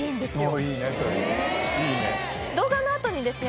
動画の後にですね